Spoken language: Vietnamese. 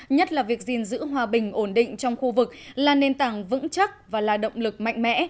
nhất là việc gìn giữ hòa bình ổn định trong khu vực là nền tảng vững chắc và là động lực mạnh mẽ